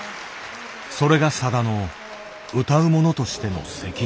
それがさだの歌う者としての責任。